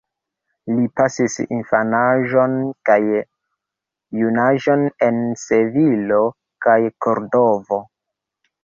Li pasis infanaĝon kaj junaĝon en Sevilo kaj Kordovo.